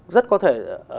rất có thể